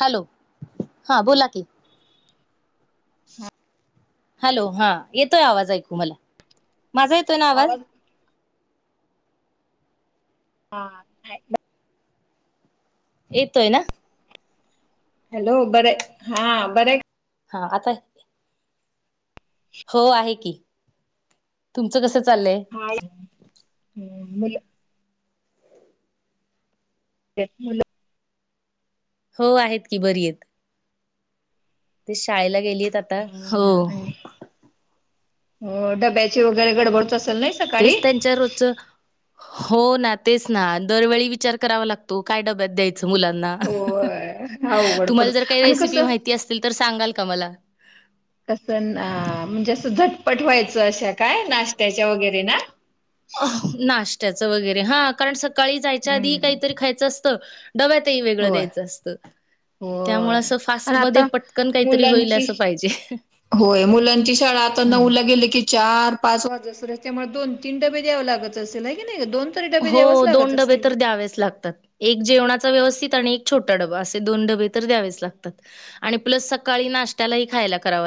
Hello हा बोला की. हा. हॅलो हा येतोय आवाज ऐकू मला माझा येतोय ना आवाज? हां हैं. येतोय ना. हॅलो बरे हा बरे आहे हा आता हो आहे की तुमचं कसं चाललंय हा हम्म मुलं [unintelligible] हो आहेत की बरी आहेत ते शाळेला गेलीत आता हो. हो डब्याची वेगैरे गडबड तेच त्यांच्या रोजचा हो ना तेच ना दरवेळी विचार करावा लागतो काय डब्यात द्याय चं मुलांना होय अवघड तुम्हाला पडत जर काही आणि रेसिपी कसं माहिती असतील तर सांगाल का मला कसं ना म्हणजे असं झटपट व्हायचं अशा काय नाश्त्याच्या वेगैरे ना. नाश्त्याच वगैरे हा कारण सकाळी जायच्या आधी हम्म काहीतरी खायचं असतं डब्यातही वेगळं होय द्यायचं असतं. त्यामुळे होय असं आणि फास्टमध्ये आता पटकन काहीतरी होईल मुलांची असं पाहिजे. होय मुलांची शाळा आता नऊ ला गेली की चार पाच वाजे पर्यंत त्यामुळे दो तीन डबे द्याववे लागत असेल आहे की नी हो दोन डबे तर द्यावेच लागतात एक जेवणा व्यव स्थीत आणि एक छोटा डबा असे दोन डबे तर द्यावेच लागतात आणि प्लस सकाळी नाश्त्याला ही खायला करा व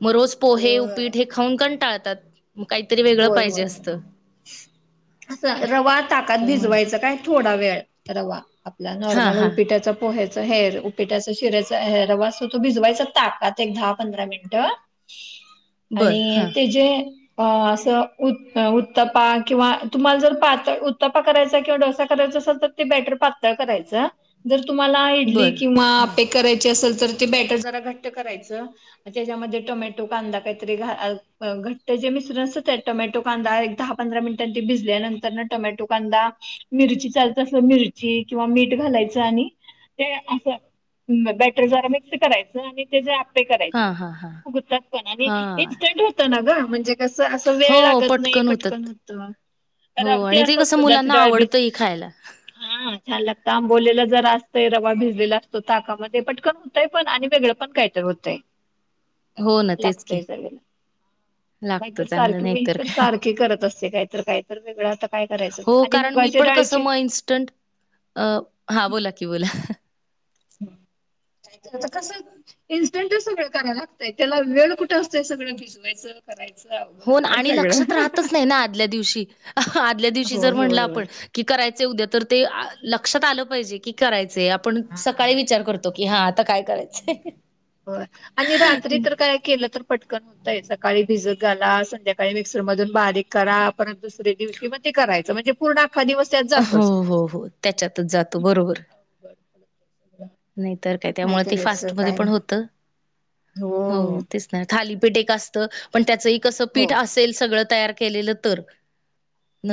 मग रोज पोहे, होय उपीट हे खाऊन कंटाळतात. मग काहीतरी वेगळं होय पाहिजे असतं. चा रवा ताकात त्यामुळे भिजवायचं काय थोडा वेळ रवा आपला हा नॉर्मल हा उपीट्याचा पोहा चा हेर उपिटाच शिऱ्याचा हे रवा असतो भिजवायचा चा ताकात एक दहा पंधरा मिनिट बर हा आणि ते जे अ अस तं उ त उत्तपा किंवा तुम्हाला जर पातळ उत्तपा करायचा किंवा डोसा करायचा असेल तर ते बेटर पातळ करायचा जर तुम्हाला इडली बर किंवा हा अप्पे करायचे असेल तर ते बॅटर जरा घट्ट करायचा त्याच्यामध्ये टोमॅटो, कांदा काही तरी घा आ अ घट्ट मिस्टरांचा त्याचा. टोमॅटो कांदा एक दहा पंधरा मिनिटां त भिजल्यानंतर टोमॅटो कांदा मिरची चालत अस मिर किंवा मीठ घालायचं आणि ते असं बॅटर जरा मिक्स करायचं आणि ते जे आप्पे करायचे हा हा हा फुगतात पण आणि हा इंस्टंट होतान ग म्हणजे कसं असं वेळ हो लागत नाही पटकन होतात. होत. हो ते आणि असं कसं उडदाची मुलांना डाळबीज आवडतंही खायला. हा छान लागतं आंबोलेल जरा असतंय रवा भिजलेला असतो ताकामध्ये पटकन होतंय पण आणि वेगळं पण काहीतरी होतंय हो ना तेच की लागतंय सगळं लागतं चांगलं सारखे मी नाहीतर तर काय. सारखे करत असते काही तर काहीत वेगळा आता काय करायचं हो मग आणि कारण मी मुगाच्या पण कस डाळीची मग इस्टंट हा बोला की बोला आ कसं इस्टंट सगळं कराय लागतय त्याला वेळ कुठे असतोय सगळं भिजवायचं करायचं. अवघड हो होतंय आणि सगळं. लक्षात राहतच नाही ना आदल्या दिवशी आदल्या दिवशी जर होय म्हणलं होय होय आपण की करायचं उद्या तर ते लक्षात आलं पाहिजे की करायचं आपण हा. सकाळी विचार करतो कि हा आता काय करायचंय हो आणि रात्री तर काय केलं तर पटकन होतय सकाळी भिजत घाला संध्याकाळी मिक्सर मधुन बारीक करा पर दुसर्या दिवशी मग ते करायचं म्हणजे पुर्ण हो हो हो त्याच्यातच जातो बरोबर अवघड [inaudible] नाही तर काय त्यामुळे ते फास्ट करायचं म काय पण नाही होत हो तेच नाही- खालीपीठ असत पण त्याच हो पीठ असेल सगळं तयार केलेलं तर..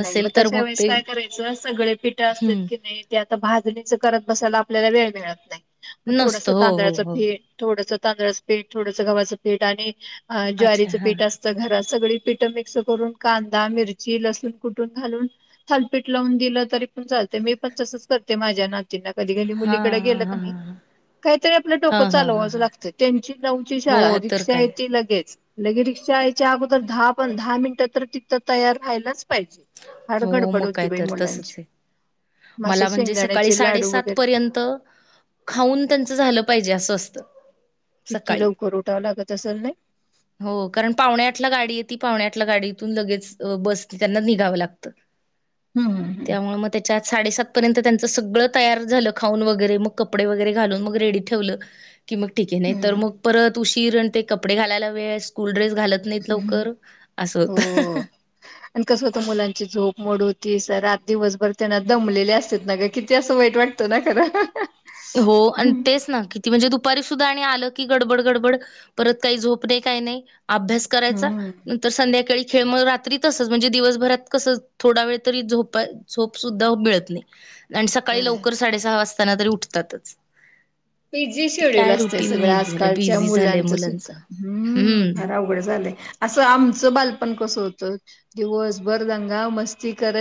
नाही मग तर तशा वेळेस ते काय करायचं सगळे पिठ असत हं. कि नाही त्यात भाजणीच करत बसायला आपल्याला वेळ मिळत नाही मग थोडस नसतं. हो, हो, तांदळाचं हो. पीठ थोड तांदळाचं पीठ थोडसं गव्हाचं पीठ आणि अच्छा ज्वारीचं हां. पीठ असतं घर सगळी पीठ मिक्स करून कांदा मिरची लसूण कुठून घालून थालपीट लावून दिलं तरी पण चालते मी पण तसच करते माझ्या ना जिना कधी घली हा मुलीकडे हा गेलं क हा नाही. काहीतरी आपलं डोकं हा हा हा चालवाचं हा लागतं त्यांची नावची हो शाळा तर रिक्षा काय आहे ती लगेच लगे रिक्षा यायच्या अगोदर दहा पण दहा मिनिटं तर तिकथं तयार रा्हायलाच पाहिजे. हडगड हो पड मग उत काय पई तर मुलाच. तसच आहे मला म्हणजे सकाळी साडेसात पर्यंत खाऊन त्यांच झालं पाहिजे असं असत. [inaudible] किती सकाळी लवकर उठावं लागत असेल नाही. हो कारण पावण्या आठला गाडी येती पावण्या.. डी लेच ब निघा लाग हम्म हम्म. चात साडेसात पर्यंत त्यांचं सगळं तयार झालं खाऊन वगैरे मग कपडे वगैरे घालून मग रेडी ठेवलं. कि मग ठीके नाही तर हम्म मग परत उशीरण ते कपडे घालायला वेळ स्कूल ड्रेस घालत नाहीत हम्म. लवकर असं होत हो. आणि कसं होतं मुलांची झोप मोड होतीसर आात दिवसभर त्यांना दमलेले असते ना ग किती असं वाईट वाटतं ना खरं. हो आणि हम्म. तेच ना किती म्हणजे दुपारी सुद्धा आणि आलं. डड परत काही झो का नाही अभ्यास करायचा हम्म नर संध्याकाळी खेळ रात्री तसच म्हणजे दिवसभरात कस थोडा वेळ तरी झो झोप सुद्धा मिळत नाही. आणि सकाळी व्हय. लवकर साडेसहा वाजताना तरी उठतातच. पीजी ते शेड्यूल काय असत रुटीन सगळं हे झालं आजकालच्या बिझी झालंय मुलांच सुद्धा हम् हम्म फार अवघड झालं. अस आमच बापण कस होतवसभरा मस्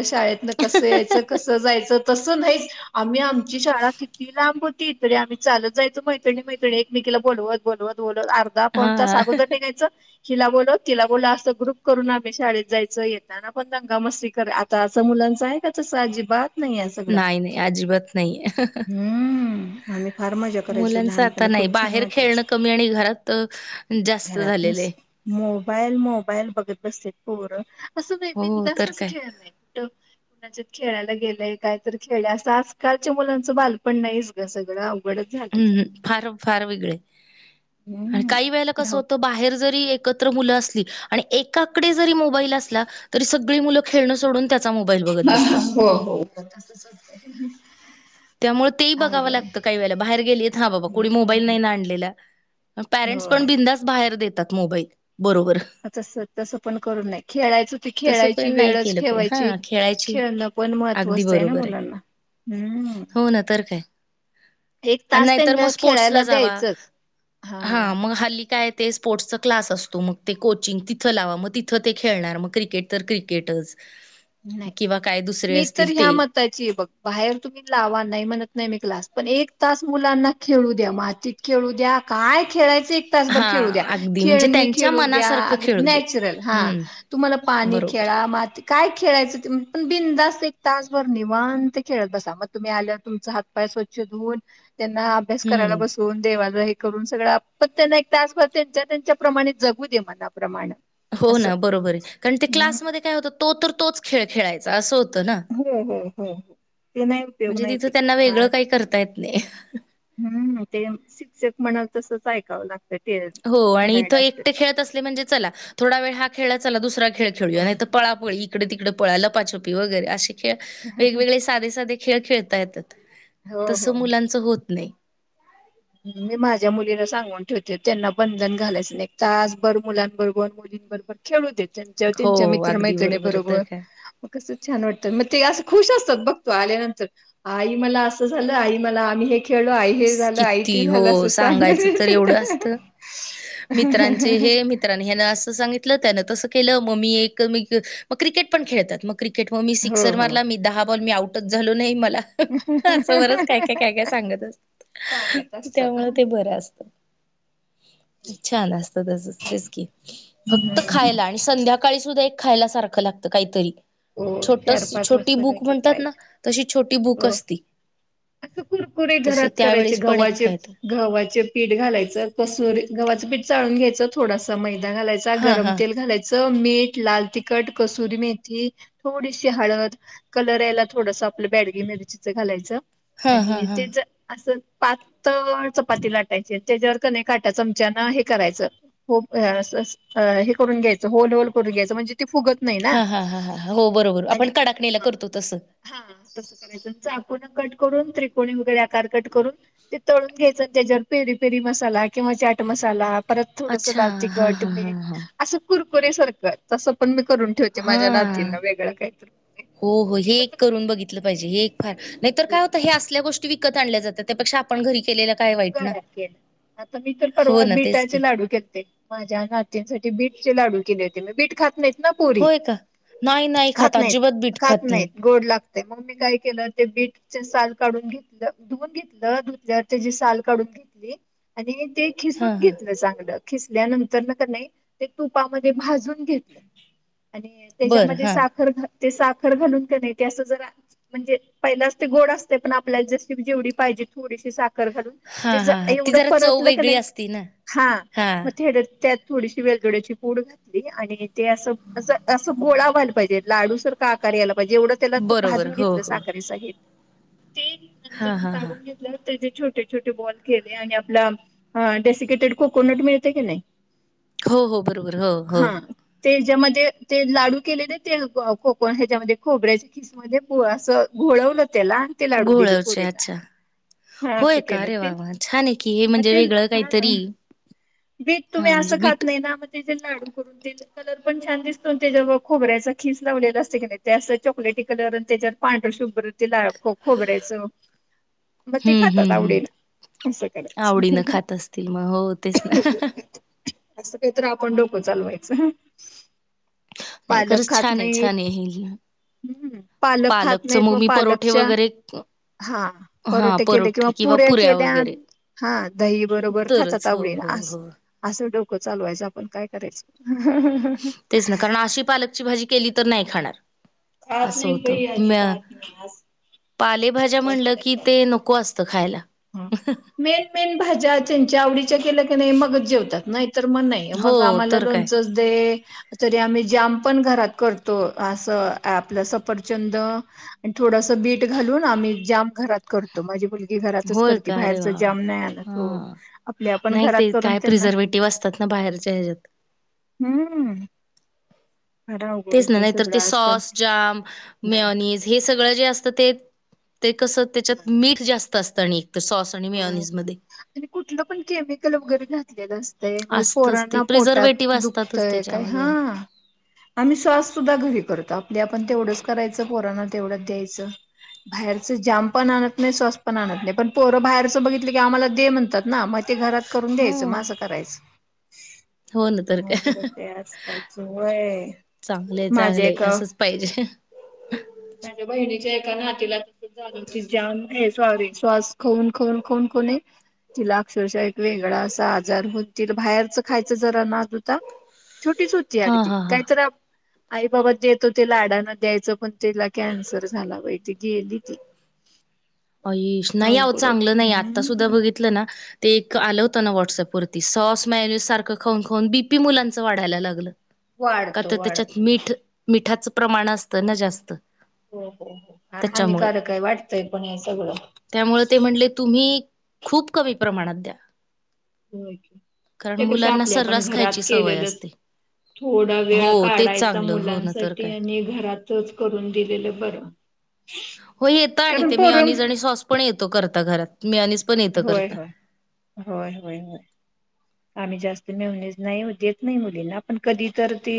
शाळेतन कसं यायचं कसं जायचं. तस नाहीच आम्ही आमची शाळा किती लांब होती तरी आम्ही चालत जायचं मैतिणी मैत्रि एकमेकीला बोलवत बोलवत बोलवत अर्धा पण त हा अगोदर निघायचं. हिला बोलत तिला बोला असं ग्रुप करून आम्ही शाळेत जायचं यताना पण दंगा मस्ती कर आता अस मुलं काच अजिबात नाही आहे सगळं नाही नाही अजिबात नाही हम् फार मजा करायचो, मुलांच आता लहानपणी नाही खूप छान बाहेर वाटायच, खेळणं कमी आणि घरात अ, जास्त घरात नुस झालेलं आहे मोबाईल मोबाईल बघत बसते. पोर असं नाही हो बिंदास तर अस काय खेळत नाही, कुठ कुणाच्या खेळायला गेलंय काय तर खेळ असं आजकालच्या मुलांचं बालपण नाहीच ग सगळं. अवघडच झालंय हम्म सगळं फार फार वेगळे हम्म काही वेळेला कस धाव होतं बाहेर जरी एकत्र मुल असली आणि एकाकड जरी मोबाईल असला, तरी सगळी मुल खेळण सोडून त्या हा हो हो तसच होतय. त्यामुळे तेही बघावं लागतं काही वेळेला. बाहेर गेली हा बाबा कणी मोबाईल नाही ना हम्म आणलेल्या परेंट पण होय बिंदास बाहेर देतात. मोबाईल. बरोबर तस तस पण करून नाही खेळायचं त तसं खेळायची पण नाही वेळच केलं पाहिजे ठेवायची हा खेळायची खेळणं पण अगदी महत्त्वाचंय ना बरोबर आहे. मुलांना. हम्म हो ना तर काय. एक आणि तास नाहीतर मग त्यांना स्पोर्ट्सला खेळायला जावा. द्यायचंच हा मग हल्ली काय? ते स्पोर्ट्सचा क्लास असतो. मग ते कोचिंग तिथं लावा मग तिथं ते खेळणार. मग क्रिकेट तर क्रिकेटच नाही किंवा काय दुसरे मी तर असतील ह्या ते मताची बघ. बाहेर तुम्ही लावा. नाही म्हणत नाही मी क्लासला पण एक तास मुलांना खेळू द्या. मातीत खेळू द्या. काय खेळायचं फक्त एक तासभर खेळू द्या, हां, अगदी म्हणजे खेळनी त्यांच्या खेळू द्या, मनासारखं खेळू देत. नॅचरल हा हं, तुम्हाला पाणी बरोबर. खेळा म काय खेळायचं पण बिंदास एक तासभर निवांत खेळत बसा, मग तुम्ही आल्यावर तुमचा हातपाय स्वच्छ धुवन त्यांना अभ्यास करायला हं. बसवून, देवाच हे करून सगळ पण त्यांना एक तासभर त्यांच्या- त्यांच्या प्रमाणे जगू दे, मनाप्रमाण. हो ना बरोबरे कारण ते क्लासमध्ये काय होत. तो तर तोच खेळ खेळायचा अस होत. हो हो हो हो. ते नाही उपयोग म्हणजे नाही तिथं ते त्यांना हा. वेगळं काही करता येत नाही. हम्म ते. म्हणाल तसंच ऐकावं लागतं. ते हो आणि गाईड इथं असते एकटे खेळत असले म्हणजे चला थोडा वेळ हा खेळा चला दुसरा खेळ खेळूया हो नाही त पळापळी. तिकडे तिकडे पळा. लपाछोपी वगैरे असे खेळ. वेगवेगळे साधे साधे खेळ खेळता येतात. हो तस हो हो. मुलांच होत नाही. मी माझ्या मुलीला सांगून ठेवते. त्यांना बंधन घालायचं नाही तासभर मुलांबरबर मुलीन बरबर खेळू देत. त्यांच्या हो, त्यांच्या मित्र अगदी मैत्रिणी आहे तर बरोबर काय. म कस छान वाटतं. मग ते असं खुश असतात बघ. तो आल्यानंतर आई मला असं झालं आई मला आम्ही हे खेळलो आई हे झालं आई किती ते झालं हो असं सांगत सांगायच तर येते. एवढं असत मित्रांचे हे मित्रां ह्यान अस सांगितलं त्यांन तसं केलं म मी एक मग क्रिकेट पण खेळतात मग. क्रिकेट म मी हो सिक्सर हो मारला. मी दहा बॉल मी आउटच झालो नाही. मला असं बरच काय काय काय सांगत काय सांगत असता. असतात. त्यामुळ ते बरं असत. छान असत तसच. तेच की, फक्त हम्म. खायला आणि संध्याकाळी सुद्धा एक खायला सारखं लागतं काहीतरी. हो छोट चार पाच छोटी वाजता बुक काहीतर म्हणतात ना. पाहिजे तशी छोटी बुक असती. अस कुरकुरे तस घरात करायचे त्यावेेळेस पण एक गव्हाचे खायत गव्हाचे पीठ घालायचं, कसुर गव्हाच पीठ चाळून घ्यायच. थोडासा मैदा घालायचा, हा गरम हा तेल घालायच, मीठ, लाल तिखट, कसुरी मेथी थोडीशी हळद कलर यायला, थोडस आपलं बॅडगी मिरचीच घालायचं. हा हा आणि हा तेच असं पातळ चपाती लाटायची, त्याच्यावर कने काटा चमच्यान हे करायचं, होप अस हे करून घ्यायच, होल होल करून घ्यायच, म्हणजे ते फुगत नाही ना. हा हा हा हा हो बरोबर आणि आपण कडाकणीला हा करतो तस. चाकू न कट करून त्रिकोणी वगैरे आकार कट करून ते तळून घ्यायचं त्याच्यावर पेरी पेरी मसाला किंवा चाट मसाला परत थोडस अच्छा लाल हां, तिखट हां, मीठ हां, हां. असं कुरकुररे सारखं तसं पण मी करून ठेवते माझ्या ना ह हो हो हे एकदा तर एक मी करून बघितलं पाहिजे हे फ नाहीतर हो काय होतं हे असल्या गोष्टी विकत आणल्या जाततात त्यापेक्षा आपण घरी केलेलं काय वाईट ना घरात केलं. आता मी तर हो परवा ना, तेच बिटाचे की. लाडू केलते माझ्या नातिसाठी बीटचे लाडू केले होते बीट खात नाहीत ना पोरी होय का? नाही, नाही खात नाहीत अजिबात बीट खात नाहीत गोड लाग मग मी काय केलं ते बीटच साल काढून घेतलं धुवून घेतलं धुतल्यावर त्याची साल काढून घेतली आणि ते खिसून हां, हां. घेतलं चांगलं खिसल्यानंतर न कनी ते तुपामध्ये भाजून घेतलं आणि बरं. त्याच्यामध्ये हां. साखर घा ते साखर घालुन क नाही ते असं जर म्हणजे पहिलाच ते गोड असते पण आपल्याला ज जेवढी पाहिजे थोडीशी साखर घालून ते हां, हां, जर हां. ती एवढं जरा चव परतलं की वेगळी नाही असती ना? हा हां. मग थेडक्तात थोडीशी वेलदोड्याची पूड घातली आणि ते असं असं गोळा व्हायला पाहिजे लाडू सारख आकार यायला म्हणजे एवढं त्याला तू बरोबर. भाजून हो, घेतलं हो. साखरे साहित ते नंतर हां, न हां, हां. काढून घेतल्या हो त्या जे छोटे छोटे बॉल केले आणि आपला डेसिकेटेड कोकोनट मिळते की नाही हो हो बरोबर हो हो हा त्याच्यामध्ये ते लाडू केलेले ते कोकण ह्याच्यामध्ये खोबऱ्याच्या खिसमध्ये असं घोळवलं ला अ तेला आड दिली घोळावचे पूरला अच्छा. हा होय का? केल अरे तेे वाह! वाह! छान आहे की हे म म्हणजे वेगळं हा काहीतरी बीट तुम्ही हां, म्हणजे असं खात बीट नाही ना मग ते लाडू करून कलर पण छान दिसतो ते खोबऱ्याचा खीस लावलेला असते कि नाही चॉकलेट त्याच्यावर पांढरं शुभ्र खोबऱ्याच मग ते हं, खातात हं, हं. आवडेल असं करायचं आवडीनं खात असतील मग हो तेच ना असंय तर आपण डोक चालवायचं नाही पालक खरंच खात छान आहे नाही छान आहे हे हम् पालक खात पालकच नाहीत मग म मी परोठे पालकच्या वगैरे हा परोठे केले किंवा पुऱ्या केल्या हा दही बरोबर खातात तरच हो आवडी हो ना हो असं डोकं चालूवायचं आपण काय करायचं तेच ना कारण अशी पालकची भाजी केली तर नाही खाणार आ असं नाही होतं बाई म्या अजीबात नाही आज पालेभाज्या म्हणलं की ते नको असत खायला मेन मेन भाज्या त्यांच्या आवडीच्या केल्या की नाही मगच जेवतात नाही तर मग नाही मग हो आम्हाला तर काय लोणचच दे तरी आम्ही जाम पण घरात करतो असं आपलं सफरचंद आणि थोडस बीट घालून आम्ही जाम घरात करतो माझी मुलगी घरातच होय करते का अरे बाहेरच वा वा जाम नाही आणत हो हा आपल्या आपण नाही घरात ते करून काय त्यांना प्रिझर्वेटिव्ह असतात ना बाहेरच्या ह्याच्यात हम्म फार अवघड तेच ना होतय नाही तर सगळं ते आजकाल सॉस जाम नाही मेओनीज हे सगळं जे असतं ते ते कसं होय. त्याच्यात मीठ जास्त असतं आणि तर सॉस आणि होय होय मेयोनीजमध्ये. आणि कुठलं पण केमिकल वगैरे घातलेलं असत ते मग असतच ते पोरांना पोटात प्रिझर्वेटिव्ह असतातच दुखतय काय हा त्याच्यामध्ये आणि आम्ही साँस सुद्धा घरी करतो आपल्या आपण तेवढंच करायचं पोरांना तेवढंच द्यायचं बाहेरच जाम पण आणत नाही सॉस पण आणत नाही पण पो बाहेर बघितलं की आम्हाला दे म्हणतात ना मग ते घरात करून द्यायचं हम्म. मग असं करायच ना तर हो काय बर ते आज कालच व्हय चांगलेय चांगलेय असंच पाहिजे माझ्या बहिणीच्या एका नातीला तसच झाल ती ज्याम हे स् श्वास कोण कोण कोण कोण आहे तिला अक्षरशः एक वेगळा असा आजार होत तिला बाहेरच खायचं जरा ना तता छोटीच होती हा अगदी हा हा काहीत आई बाबा देतो ते लाडाान द्यायचं पण त्याला कॅन्सर झाला बाती गेली ती हा अईश नाही आ चांगलं नाही आत्ता सुद्धा हम्म. बघितलं ना ते एक आलं हो व्हॉट्सअप वरती सॉस मॅन्यूज सारं खाऊ खऊन बीपी मुलांचं वाढायला लागलं का वाढतो तर त्याच्यात वाढतो मठ मिठाचं प्रमाण असतं ना जास्त हो हो हो फार त्याच्यामुळे. हानिकारक आहे वाटतंय पण याच त्यामुळे ते म्हणले तुम्ही खूप कमी प्रमाणात द्या कारण त्यापेक्षा मुलांना आपले आपण सर्रास खायची घरात सवय केलेलंच असते. थोडा वेळ हो तेच काढायचा चांगलं हो ना तर मुलांसाठी काय. आणि घरात तच करून दिलेलं बर हो येत आणि ते मी अनज आणि सॉस पण येतो करता घरात मेऑनीज पण येतं हो करता. आम्ही जास्त मिेळणेच नाही देत नाही मुलींना पण कधी तर ते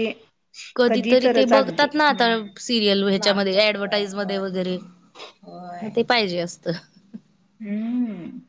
कधी कधीतरी ते तरच अगदी. बघतात ना आता हम्म सिरियल ह्याच्यामध्ये मागतात होय ऍडवटाईज म होय वगैरे होय. मग ते पाहिजे असत हम्म